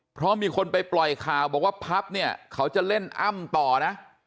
เพราะมีคนไปปล่อยข่าวบอกว่าพับเนี่ยเขาจะเล่นอ้ำต่อนะ